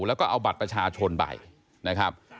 แล้วก็เอาบัตรประชาชนไปนะครับ